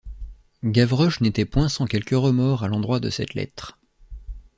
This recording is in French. Gavroche n’était point sans quelque remords à l’endroit de cette lettre.